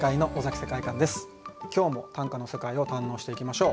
今日も短歌の世界を堪能していきましょう。